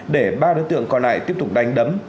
để ba đối tượng còn lại tiếp tục đánh đấm